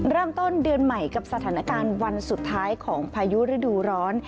เริ่มต้นเดือนใหม่กับสถานการณ์วันสุดท้ายของพายุฤดูร้อน